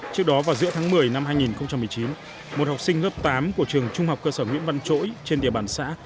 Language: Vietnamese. trước đó vào giữa tháng một mươi năm hai nghìn một mươi chín một học sinh lớp tám của trường trung học cơ sở nguyễn văn chỗi trên địa bàn xã